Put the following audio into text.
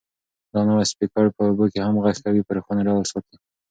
دا نوی سپیکر په اوبو کې هم خپل غږ په روښانه ډول ساتي.